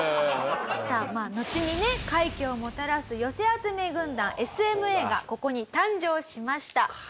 さあのちにね快挙をもたらす寄せ集め軍団ＳＭＡがここに誕生しました。